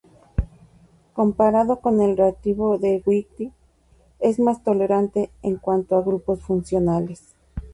Comparado con el reactivo de Wittig, es más tolerante en cuanto a grupos funcionales.